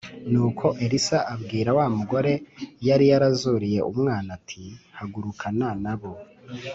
Nuko Elisa abwira wa mugore yari yarazuriye umwana ati hagurukana n abo